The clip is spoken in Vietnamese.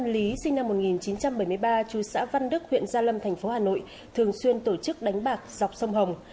lý sinh năm một nghìn chín trăm bảy mươi ba chú xã văn đức huyện gia lâm thành phố hà nội thường xuyên tổ chức đánh bạc dọc sông hồng